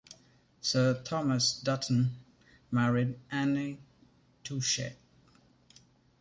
Sir Thomas Dutton married Anne Touchet.